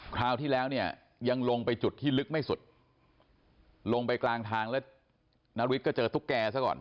คราวที่แล้วเนี่ยยังลงไปจุดที่ลึกไม่สุดลงไปกลางทางแล้วนาริสก็เจอตุ๊กแกซะก่อน